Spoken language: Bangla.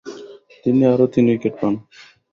তিনি আরও তিন উইকেট পান।